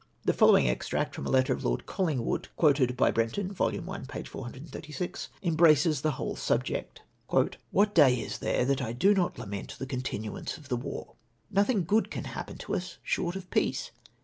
The fol lowing extract from a letter of Lord Colhngwood, quoted by Brenton, vol. i. p. 436, embraces the whole subject. " What day is there that I do not lament the continuance of the Avar ? Nothing good can happen to us short of peace.